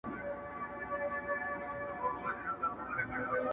• ستا د وصل تر منزله غرغړې دي او که دار دی,